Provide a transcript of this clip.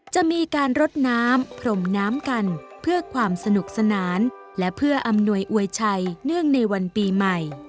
จะมีการรดน้ำพรมน้ำกันเพื่อความสนุกสนานและเพื่ออำนวยอวยชัยเนื่องในวันปีใหม่